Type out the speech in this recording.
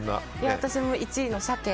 私も１位の鮭。